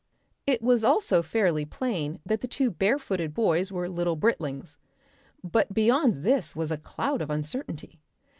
It was also fairly plain that the two barefooted boys were little Britlings. But beyond this was a cloud of uncertainty.